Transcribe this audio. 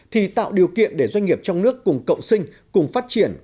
thì tạo điều kiện để doanh nghiệp trong nước cùng cộng sinh cùng phát triển